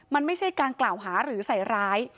มันไม่ใช่การกล่าวหาหรือใส่ร้าย